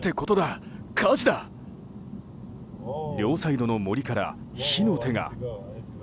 両サイドの森から火の手が。